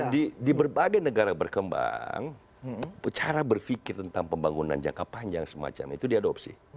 di berbagai negara berkembang cara berpikir tentang pembangunan jangka panjang semacam itu diadopsi